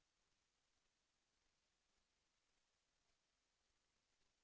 แสวได้ไงของเราก็เชียนนักอยู่ค่ะเป็นผู้ร่วมงานที่ดีมาก